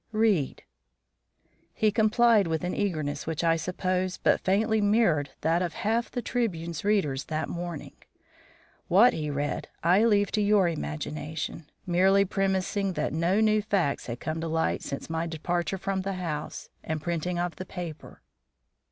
"Read!" He complied with an eagerness which I suppose but faintly mirrored that of half the Tribune's readers that morning. What he read, I leave to your imagination, merely premising that no new facts had come to light since my departure from the house and the printing of the paper.